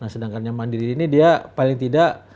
sedangkan yang mandiri ini dia paling tidak